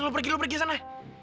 lu pergi lu pergi sana